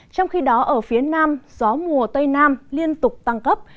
trong khi đó ở phía nam gió mùa tây nam liên tục tăng cấp